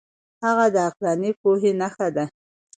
هغه د عقلاني پوهې نښه ده.